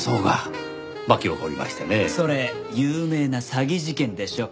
それ有名な詐欺事件でしょ。